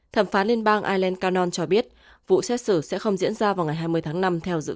thẩm phán liên bang ireland canon cho biết vụ xét xử sẽ không diễn ra vào ngày hai mươi tháng năm theo dự